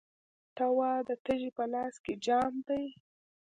ته وا، د تږي په لاس کې جام دی